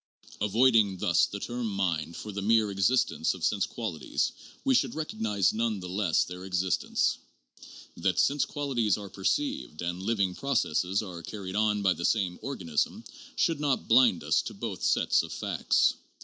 Avoiding thus the term mind for the mere existence of sense qualities, we should recognize none the less their existence. That sense qualities are perceived and living processes are carried on by the same organisms should not blind us to both sets of facts.